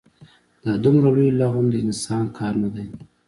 دا دومره لوی لغم د انسان کار نه دی.